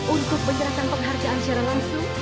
untuk menyerahkan penghargaan secara langsung